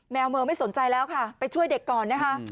แมวเมอร์ไม่สนใจแล้วค่ะไปช่วยเด็กก่อนนะคะ